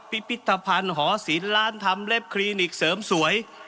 พิพิธภัณฑ์หอศิลปร้านทำเล็บคลินิกเสริมสวย